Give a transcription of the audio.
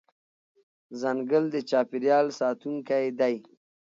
ځنګل د چاپېریال ساتونکی دی.